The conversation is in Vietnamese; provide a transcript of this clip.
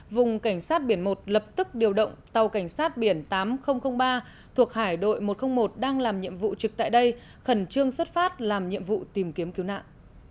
vùng cảnh sát biển một lập tức điều động tàu cảnh sát biển tám nghìn ba thuộc hải đội một trăm linh một đang làm nhiệm vụ trực tại đây khẩn trương xuất phát làm nhiệm vụ tìm kiếm cứu nạn